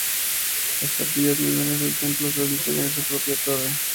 Las capillas menores del templo suelen tener su propia torre.